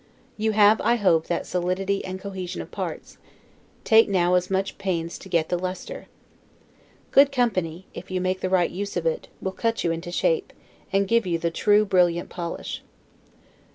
You have; I hope, that solidity and cohesion of parts; take now as much pains to get the lustre. Good company, if you make the right use of it, will cut you into shape, and give you the true brilliant polish.